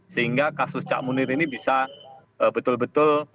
sehingga kasus cak munir ini bisa betul betul